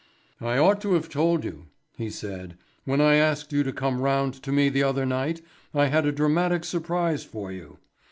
"I ought to have told you," he said. "When I asked you to come round to me the other night I had a dramatic surprise for you.